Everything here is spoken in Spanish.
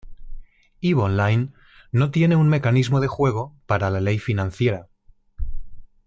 Eve Online no tiene un mecanismo de juego para la ley financiera.